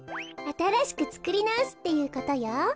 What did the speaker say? あたらしくつくりなおすっていうことよ。